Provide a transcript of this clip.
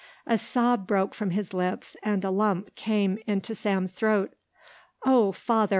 A sob broke from his lips and a lump came into Sam's throat. "Oh Father!